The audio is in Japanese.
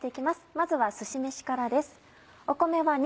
まずはすし飯からです。